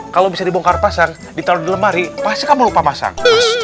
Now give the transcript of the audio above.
kalau bisa dibongkar pasang ditaruh di lemari pasti kamu lupa masang